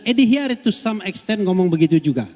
edi hyarit to some extent ngomong begitu juga